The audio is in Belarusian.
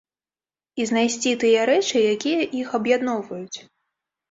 І знайсці тыя рэчы, якія іх аб'ядноўваюць.